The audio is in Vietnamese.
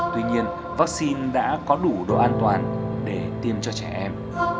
tuy nhiên vaccine đã có đủ độ an toàn để tiêm cho trẻ em